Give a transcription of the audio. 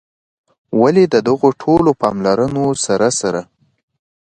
ولي د دغو ټولو پاملرونو سره سره